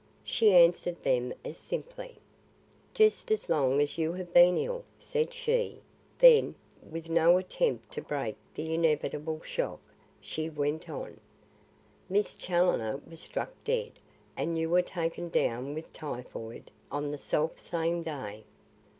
She answered them as simply. "Just as long as you have been ill," said she; then, with no attempt to break the inevitable shock, she went on: "Miss Challoner was struck dead and you were taken down with typhoid on the self same day."